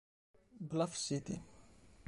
Bluff City